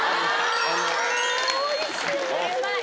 おいしい！